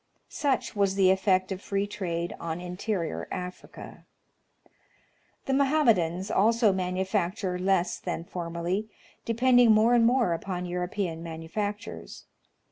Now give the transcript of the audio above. Such was the effect of free trade on interior Africa. The Mohammedans also manufacture less than formerly, depending more and more upon European manufactures.